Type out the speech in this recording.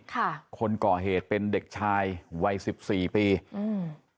ค่ะคนก่อเหตุเป็นเด็กชายวัยสิบสี่ปีอืม